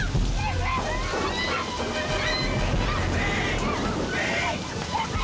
mereka akan membunuhmu